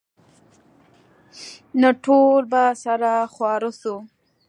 نو ټول به سره خواره سو.